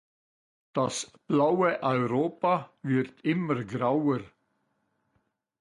Das blaue Europa wird immer grauer.